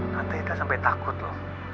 tante hilda sampai takut loh